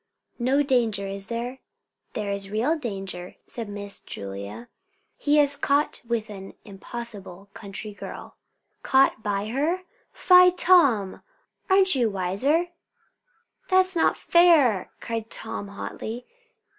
"No danger, is there?" "There is real danger," said Miss Julia. "He is caught with an impossible country girl." "Caught by her? Fie, Tom! aren't you wiser?" "That's not fair!" cried Tom hotly.